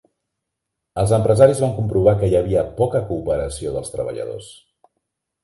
Els empresaris van comprovar que hi havia poca cooperació dels treballadors.